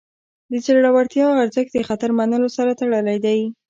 د زړورتیا ارزښت د خطر منلو سره تړلی دی.